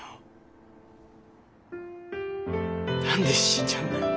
何で死んじゃうんだよ。